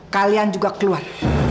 kalian juga keluar